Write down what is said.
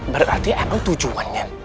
berarti emang tujuannya